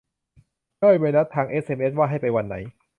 ได้ใบนัดทางเอสเอ็มเอส ว่าให้ไปวันไหน